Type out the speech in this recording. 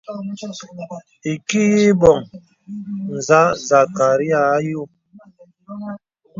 Ìki yə î bɔ̀ŋ nzâ sàkryāy ayò.